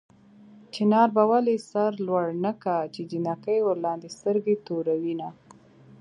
چنار به ولې سر لوړ نه کا چې جنکۍ ورلاندې سترګې توروينه